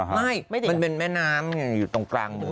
ไม่มันเป็นแม่น้ำอยู่ตรงกลางเมือง